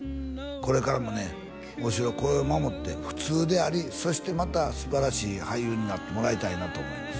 これからもね旺志郎これを守って普通でありそしてまた素晴らしい俳優になってもらいたいなと思います